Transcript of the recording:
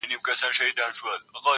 نور دي دسترگو په كتاب كي.